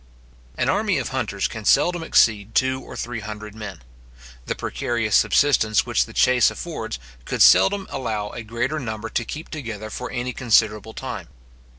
An army of hunters can seldom exceed two or three hundred men. The precarious subsistence which the chace affords, could seldom allow a greater number to keep together for any considerable time.